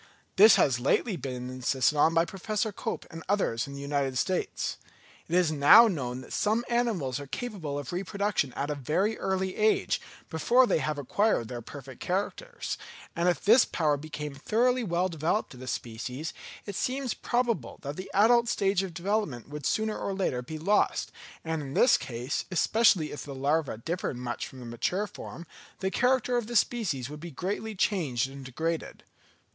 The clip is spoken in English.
This has lately been insisted on by Professor Cope and others in the United States. It is now known that some animals are capable of reproduction at a very early age, before they have acquired their perfect characters; and if this power became thoroughly well developed in a species, it seems probable that the adult stage of development would sooner or later be lost; and in this case, especially if the larva differed much from the mature form, the character of the species would be greatly changed and degraded.